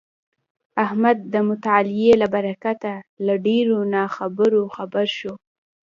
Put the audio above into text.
احمد د مطالعې له برکته له ډېرو ناخبرو خبر شولو.